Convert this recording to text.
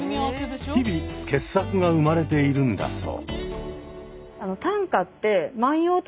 日々傑作が生まれているんだそう。